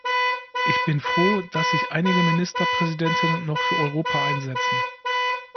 Ich bin froh, dass sich einige Ministerpräsidenten noch für Europa einsetzen.